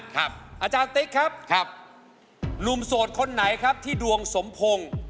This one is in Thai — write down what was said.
อาจารย์ติ๊กครับหนุ่มโสดคนไหนครับที่ดวงสมพงศ์